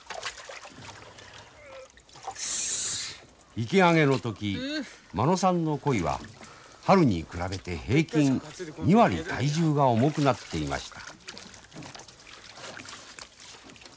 池上げの時間野さんの鯉は春に比べて平均２割体重が重くなっていました。